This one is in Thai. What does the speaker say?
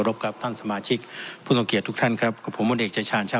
รบกับท่านสมาชิกผู้สมเกียจทุกท่านครับกับผมมนตร์เอกจัยชาญช้า